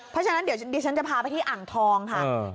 เพราะฉะนั้นเดี๋ยวดิฉันจะพาไปที่อ่างทองค่ะ